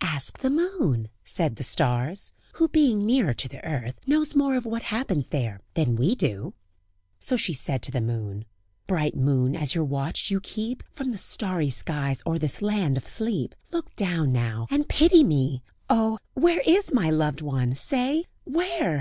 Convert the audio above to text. "Ask the moon," said the stars; "who being nearer to the earth, knows more of what happens there than we do." So she said to the moon: "Bright moon, as your watch you keep, From the starry skies, o'er this land of sleep, Look down now, and pity me! Oh! where is my loved one? say! Where?